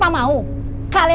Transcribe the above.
aku pengen tanyain